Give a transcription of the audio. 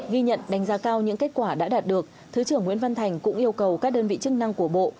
ghi nhận đánh giá cao những kết quả đã đạt được thứ trưởng nguyễn văn thành cũng yêu cầu các đơn vị chức năng của bộ